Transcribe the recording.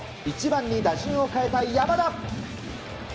１番に打順を変えた、山田！